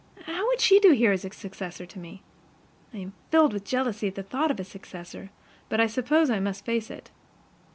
How would she do here as a successor to me? I am filled with jealousy at the thought of a successor, but I suppose I must face it.